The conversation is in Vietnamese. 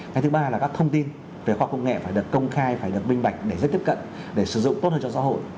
cái thứ ba là các thông tin về khoa công nghệ phải được công khai phải được minh bạch để rất tiếp cận để sử dụng tốt hơn cho xã hội